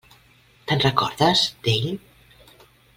Te'n recordes, d'ell?